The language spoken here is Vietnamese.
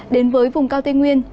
đến với vùng cao tây nguyên